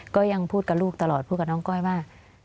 ก็ยังพูดกับลูกตลอดพูดกับน้องก้อยว่า